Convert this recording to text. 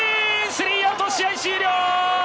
スリーアウト、試合終了！